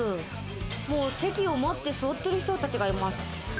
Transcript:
もう席を待って、座ってる人たちがいます。